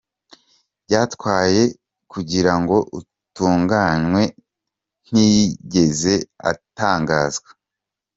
byatwaye kugira ngo utunganywe ntiyigeze atangazwa.